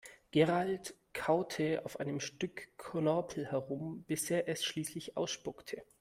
Gerald kaute auf einem Stück Knorpel herum, bis er es schließlich ausspuckte.